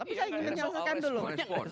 tapi saya ingin menyalahkan dulu